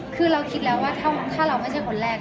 คือเราคิดแล้วว่าถ้าเราไม่ใช่คนแรก